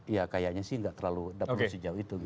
ya kayaknya sih tidak terlalu dapat menunjukkan itu